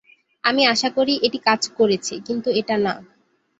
আমি আশা করি এটি কাজ করেছে, কিন্তু এটা না।